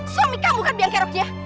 suami kamu kan biang keroknya